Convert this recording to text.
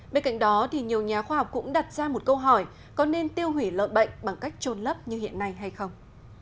bên cạnh đó thì nhiều nhà khoa học cũng đặt ra một câu hỏi có nên tiêu hủy lợn bệnh bằng cách trôn lấp như hiện nay hay không